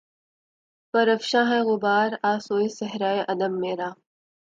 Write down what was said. پرافشاں ہے غبار آں سوئے صحرائے عدم میرا